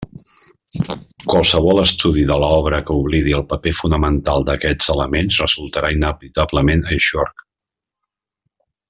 Qualsevol estudi de l'obra que oblidi el paper fonamental d'aquests elements resultarà inevitablement eixorc.